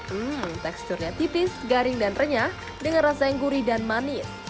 hmm teksturnya tipis garing dan renyah dengan rasa yang gurih dan manis